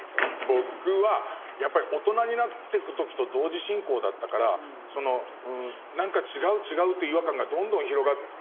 僕はやっぱり大人になってく時と同時進行だったからその何か違う違うという違和感がどんどん広がってったのね。